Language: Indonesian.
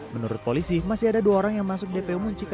menurut polisi masih ada dua orang yang masuk dpo muncikari